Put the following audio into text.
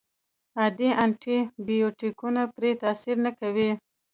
عادي انټي بیوټیکونه پرې تاثیر نه کوي.